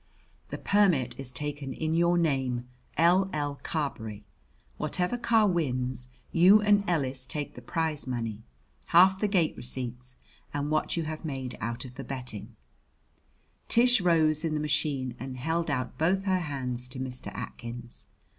The permit is taken in your name L.L. Carberry. Whatever car wins, you and Ellis take the prize money, half the gate receipts, and what you have made out of the betting " Tish rose in the machine and held out both her hands to Mr. Atkins.